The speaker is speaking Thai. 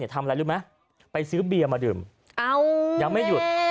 ทำอะไรรู้ไหมไปซื้อเบียร์มาดื่มยังไม่หยุด